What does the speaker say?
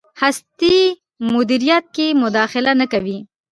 هستۍ مدیریت کې مداخله نه کوي.